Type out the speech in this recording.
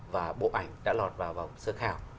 và bộ ảnh đã lọt vào sơ khảo